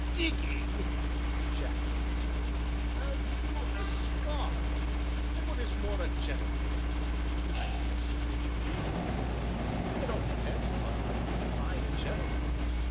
"Digging!" ejaculated Sir Richard, "and you a scholar and what is more, a gentleman!" "My dear Sir Richard," said I, "that all depends upon how you would define a gentleman.